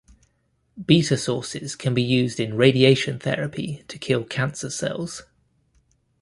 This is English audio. Beta sources can be used in radiation therapy to kill cancer cells.